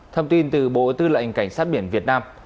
thông tin từ bộ tư lệnh cảnh sát biển việt nam